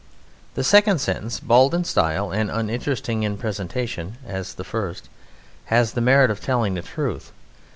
The second sentence, bald in style and uninteresting in presentation as the first, has the merit of telling the truth.